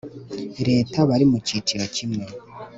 Leta bari mu cyiciro kimwe